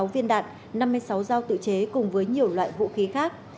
một trăm bảy mươi sáu viên đạn năm mươi sáu giao tự chế cùng với nhiều loại vũ khí khác